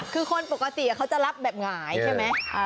คือคนปกติเขาจะรับแบบหงายใช่ไหม